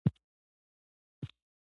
شاعره خدای ته ګوره!